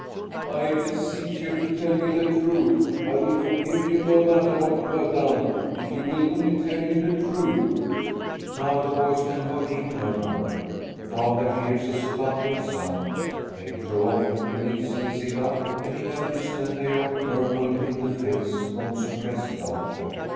"I beseech you to tell me the truth. I will forgive you, no matter what you have done, if you will only tell me the truth!" Now the boys can hold in no longer. Father hears a spluttering sound. They throw off the quilts and sit up, and he notices that they are purple in the face from suppressed laughter.